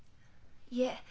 いえ。